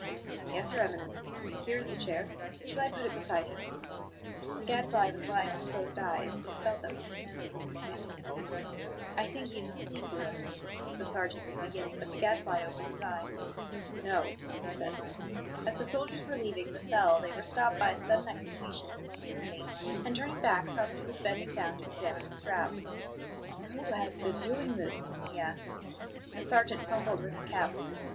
"Yes, Your Eminence. Here is the chair; shall I put it beside him?" The Gadfly was lying with closed eyes; but he felt that Montanelli was looking at him. "I think he is asleep, Your Eminence," the sergeant was beginning, but the Gadfly opened his eyes. "No," he said. As the soldiers were leaving the cell they were stopped by a sudden exclamation from Montanelli; and, turning back, saw that he was bending down to examine the straps. "Who has been doing this?" he asked. The sergeant fumbled with his cap.